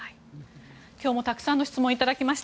今日もたくさんの質問をいただきました。